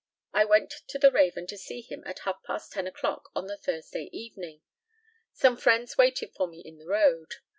I went to the Raven to see him at half past ten o'clock on the Thursday evening. Some friends waited for me in the road.